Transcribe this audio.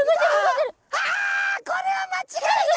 あこれは間違いない！